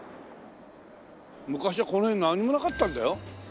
昔はこの辺なんにもなかったんだよ。